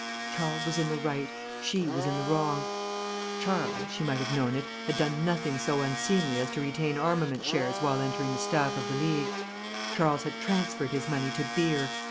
Charles was in the right; she was in the wrong. Charles (she might have known it) had done nothing so unseemly as to retain armament shares while entering the staff of the League; Charles had transferred his money to beer.